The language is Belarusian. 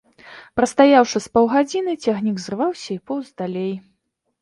Прастаяўшы з паўгадзіны, цягнік зрываўся і поўз далей.